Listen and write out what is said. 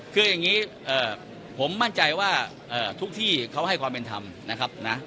คืออย่างนี้ผมมั่นใจว่าทุกที่เขาให้ความเป็นธรรมนะครับนะ